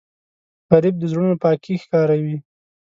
غریب د زړونو پاکی ښکاروي